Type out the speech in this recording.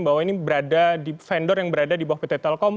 bahwa ini berada di vendor yang berada di bawah pt telkom